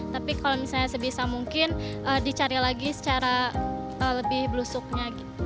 tapi kalau misalnya sebisa mungkin dicari lagi secara lebih blusuknya